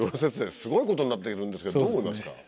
すごいことになっているんですけどどう思いますか？